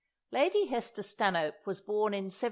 Lady Hester Stanhope was born in 1776.